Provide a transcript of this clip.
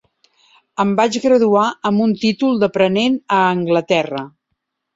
Em vaig graduar amb un títol d'aprenent a Anglaterra.